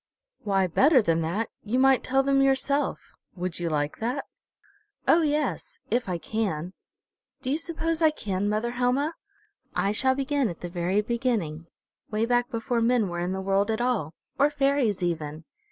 "Why, better than that, you might tell them yourself. Would you like that?" "Oh, yes if I can. Do you suppose I can, mother Helma? I shall begin at the very beginning, way back before men were in the world at all, or fairies even.